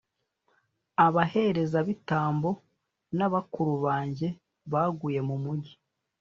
abaherezabitambo n’abakuru banjye baguye mu mugi,